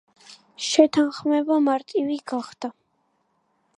შეთანხმება მარტივი გახდა.